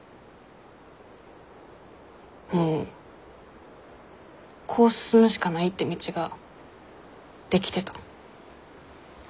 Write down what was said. もうこう進むしかないって道ができてた。